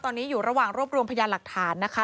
ตอนนี้อยู่ระหว่างรวบรวมพยานหลักฐานนะคะ